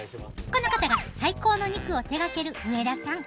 この方が最高の肉を手がける上田さん。